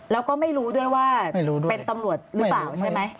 แล้วก็ไม่รู้ด้วยว่าเป็นตำรวจหรือเปล่าใช่ไหม